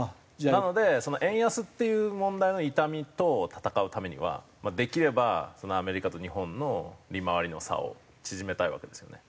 なのでその円安っていう問題の痛みと戦うためにはできればアメリカと日本の利回りの差を縮めたいわけですよね。